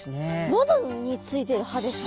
喉についてる歯ですか？